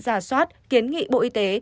giả soát kiến nghị bộ y tế